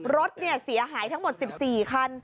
รถเสียหายทั้งหมด๑๔คัน